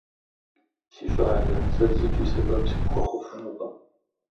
Си щӏалэ, сэ зыкӏи сэбэп сыпхуэхъуфынукъым.